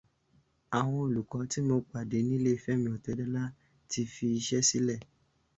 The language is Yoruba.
Àwọn olùkọ tí mo pàdé nílé Fẹ́mi Ọ̀tẹ́dọlá ti fi iṣẹ́ sílẹ̀